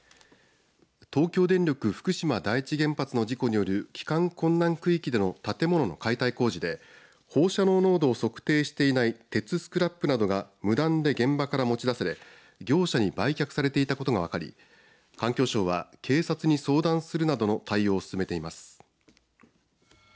東京電力福島第一原発の事故による帰還困難区域での建物の解体工事で放射能濃度を測定していない鉄スクラップなどが無断で現場から持ち出され業者に売却されていたことが分かり環境省は警察に相談するなどの対応を進めています。